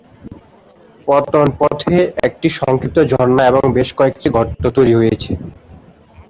পতন পথে একটি সংক্ষিপ্ত ঝর্ণা এবং বেশ কয়েকটি গর্ত তৈরী হয়েছে।